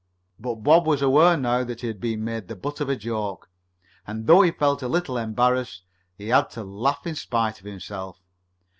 But Bob was aware now that he had been made the butt of a joke, and though he felt a little embarrassed, he had to laugh in spite of himself.